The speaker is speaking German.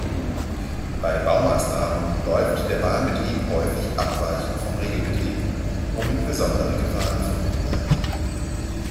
Bei Baumaßnahmen läuft der Bahnbetrieb häufig abweichend vom Regelbetrieb, womit besondere Gefahren verbunden sind.